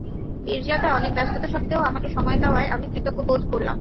পীরজাদা অনেক ব্যস্ততা সত্ত্বেও আমাকে সময় দেওয়ায় আমি কৃতজ্ঞ বোধ করলাম।